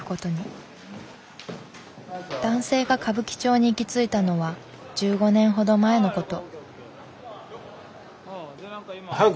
男性が歌舞伎町に行き着いたのは１５年ほど前のこと。